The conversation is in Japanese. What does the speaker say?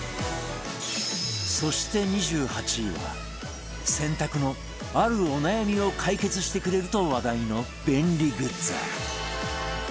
そして２８位は洗濯のあるお悩みを解決してくれると話題の便利グッズ